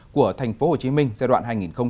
của tp hcm giai đoạn hai nghìn hai mươi hai nghìn ba mươi